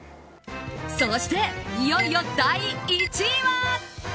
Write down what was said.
そして、いよいよ第１位は。